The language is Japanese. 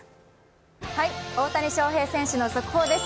大谷翔平選手の速報です。